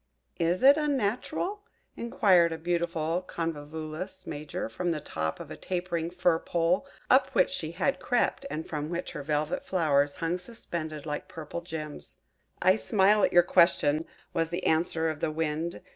"Is it unnatural?" inquired a beautiful Convolulus Major, from the top of a tapering fir pole, up which she had crept, and from which her velvet flowers hung suspended like purple gems. "I smile at your question," was the answer of the Wind.